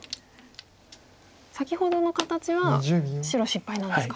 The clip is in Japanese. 先ほどの形は白失敗なんですか。